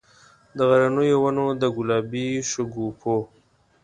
د غرنیو ونو، د ګلابي شګوفو،